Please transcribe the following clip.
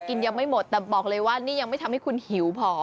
ยังไม่หมดแต่บอกเลยว่านี่ยังไม่ทำให้คุณหิวพอ